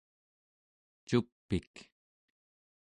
cup'ik